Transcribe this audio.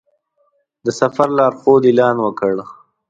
د سفر لارښود اعلان وکړ.